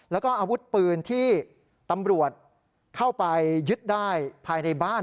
แล้วก็อาวุธปืนที่ตำรวจเข้าไปยึดได้ภายในบ้าน